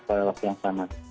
bagi orang orang yang lebih muda